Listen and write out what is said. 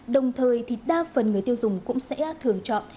đồng thời thì đa phần người tiêu dùng cũng sẽ thường chọn